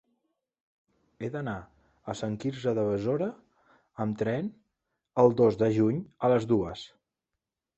He d'anar a Sant Quirze de Besora amb tren el dos de juny a les dues.